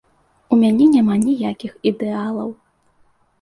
У мяне няма ніякіх ідэалаў.